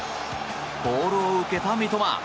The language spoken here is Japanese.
ボールを受けた三笘。